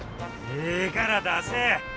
ええから出せ！